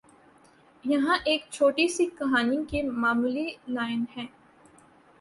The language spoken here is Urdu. یہاں ایک اور چھوٹی سی کہانی کی معمولی لائنیں ہیں